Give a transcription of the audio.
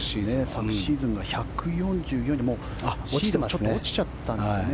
昨シーズンは１４４シード、落ちちゃったんですね。